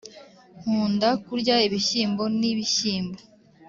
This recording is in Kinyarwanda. nkunda kurya ibishyimbo ni bishyimbo